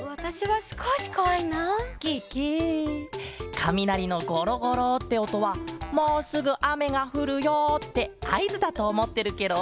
かみなりのゴロゴロっておとは「もうすぐあめがふるよ」ってあいずだとおもってるケロ。